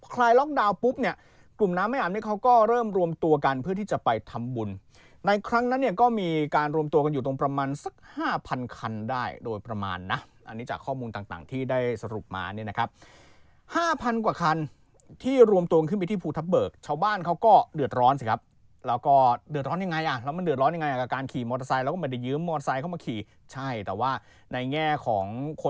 พอคลายล็อกดาวน์ปุ๊บเนี้ยกลุ่มน้ำใหม่อาบนี้เขาก็เริ่มรวมตัวกันเพื่อที่จะไปทำบุญในครั้งนั้นเนี้ยก็มีการรวมตัวกันอยู่ตรงประมาณสักห้าพันคันได้โดยประมาณน่ะอันนี้จากข้อมูลต่างต่างที่ได้สรุปมาเนี้ยนะครับห้าพันกว่าคันที่รวมตัวขึ้นไปที่พุทธเบิกเช้าบ้านเขาก็เดือดร้อนสิครับ